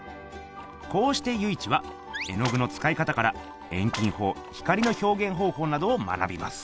こうして由一は絵の具の使い方から遠近法光の表現方法などを学びます。